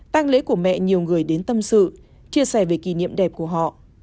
tăng lễ của mẹ nhiều người đến tâm sự chia sẻ về kỷ niệm đẹp của họ